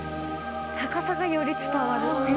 高さがより伝わる。